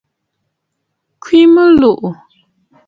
Kwɛ̀ʼɛ mɨlùʼù.